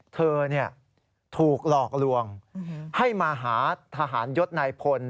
เธอถูกหลอกลวงให้มาหาทหารยศนายพล